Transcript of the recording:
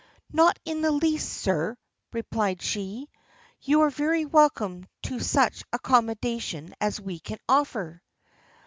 "Not in the least, sir," replied she, "you are very welcome to such accommodation as we can offer."